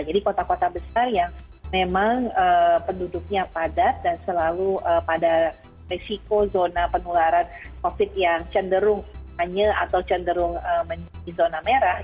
jadi kota kota besar yang memang penduduknya padat dan selalu pada risiko zona penularan covid yang cenderung hanya atau cenderung menjadi zona merah